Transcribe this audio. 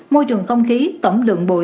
môi trường không khí tổng lượng bụi